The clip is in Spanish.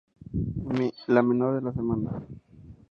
Amy: La menor de las hermanas.